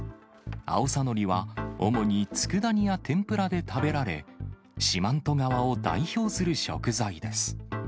アオサノリは主につくだ煮や天ぷらで食べられ、四万十川を代表する食材です。